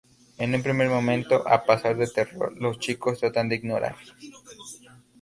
En un primer momento, a pesar de terror, los chicos tratan de ignorar.